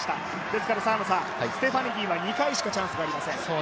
ですから、ステファニディは２回しかチャンスがありません。